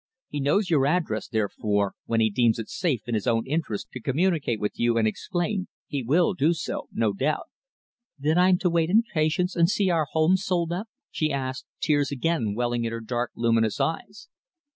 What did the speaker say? He knows your address, therefore, when he deems it safe in his own interests to communicate with you and explain, he will do so, no doubt." "Then I'm to wait in patience and see our home sold up?" she asked, tears again welling in her dark, luminous eyes.